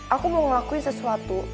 aku mau ngelakuin sesuatu